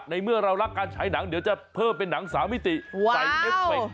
เมื่อเรารักการฉายหนังเดี๋ยวจะเพิ่มเป็นหนัง๓มิติใส่เอฟเฟค